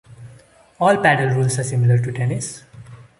All paddle rules are similar to tennis.